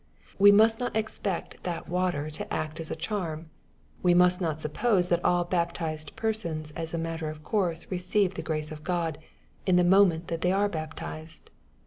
We must not expect that water to act as a charm. We must not suppose that all baptized persons as a matter of course receive the grace of God, in the moment that they are baptized.